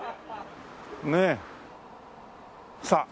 ねえ。さあ。